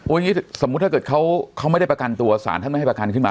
อย่างนี้สมมุติถ้าเกิดเขาไม่ได้ประกันตัวสารท่านไม่ให้ประกันขึ้นมา